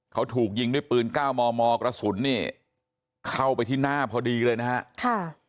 เขาถูกยิงด้วยปืน๙มมกระสุนเนี่ยเข้าไปที่หน้าพอดีเลยนะฮะค่ะ